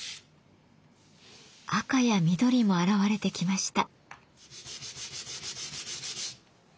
赤や緑も現れてきました。